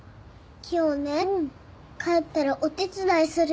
今日ね帰ったらお手伝いするんだ。